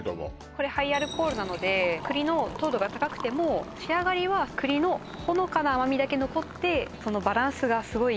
これハイアルコールなので栗の糖度が高くても仕上がりは栗のほのかな甘味だけ残ってそのバランスがすごい